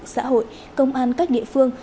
xã hội công an các địa phương